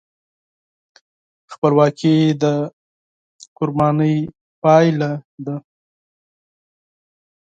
خپلواکي د قربانۍ پایله ده.